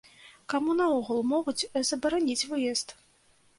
Каму наогул могуць забараніць выезд?